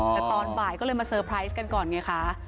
แต่ตอนบ่ายก็เลยมาเตอร์ไพรส์กันก่อนไงคะ